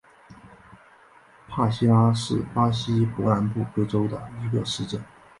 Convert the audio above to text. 帕西拉是巴西伯南布哥州的一个市镇。